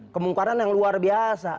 kemungkaran yang luar biasa